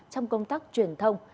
trong công tác truyền thông